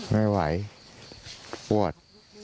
ไม่ไหวปวด